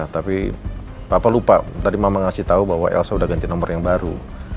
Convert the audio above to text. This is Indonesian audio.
tapi papa lupa tadi mama ngasih tahu bahwa elsa sudah ganti nomor yang baru